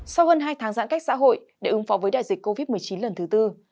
sau hơn hai tháng giãn cách xã hội để ứng phó với đại dịch covid một mươi chín lần thứ tư